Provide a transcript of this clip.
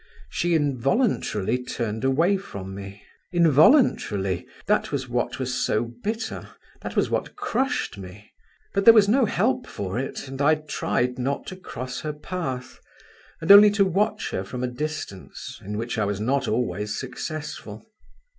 She involuntarily turned away from me … involuntarily; that was what was so bitter, that was what crushed me! But there was no help for it, and I tried not to cross her path, and only to watch her from a distance, in which I was not always successful.